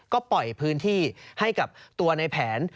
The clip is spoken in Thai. ก็ปล่อยพื้นที่ให้กับตัวในแผน